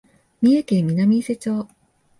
三重県南伊勢町